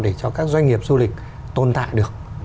để cho các doanh nghiệp du lịch tồn tại được